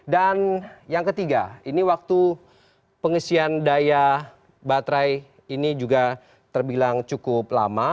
dan yang ketiga ini waktu pengisian daya baterai ini juga terbilang cukup lama